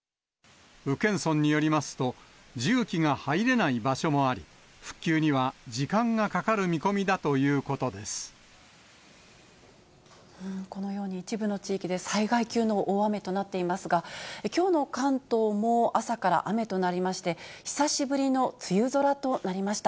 宇検村によりますと、重機が入れない場所もあり、復旧には時間がかかる見込みだとこのように、一部の地域で災害級の大雨となっていますが、きょうの関東も朝から雨となりまして、久しぶりの梅雨空となりました。